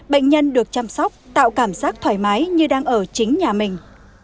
bệnh nhân được chăm sóc tạo cảm giác thoải mái như đang ở chính nhà mình